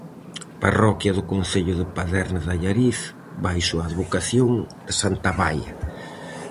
Parroquia do concello de Paderne de Allariz baixo a advocación de santa Baia.